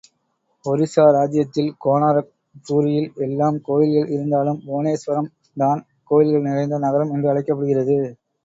ஒரிஸ்ஸா ராஜ்ஜியத்தில், கோனாரக் பூரியில் எல்லாம் கோயில்கள் இருந்தாலும் புவனேஸ்வரம் தான் கோயில்கள் நிறைந்த நகரம் என்று அழைக்கப்படுகிறது.